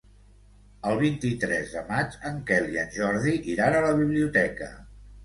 El vint-i-tres de maig en Quel i en Jordi iran a la biblioteca.